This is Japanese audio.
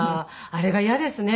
あれがイヤですね。